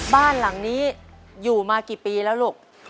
บ้านหลังนี้อยู่มากี่ปีแล้วลูก